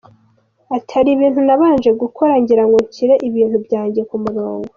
Ati “Hari ibintu nabanje gukora ngirango nshyire ibintu byanjye kumurongo.